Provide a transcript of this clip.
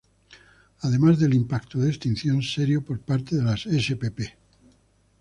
Además del impacto de extinción serio por parte de las spp.